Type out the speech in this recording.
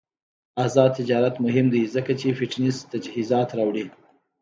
آزاد تجارت مهم دی ځکه چې فټنس تجهیزات راوړي.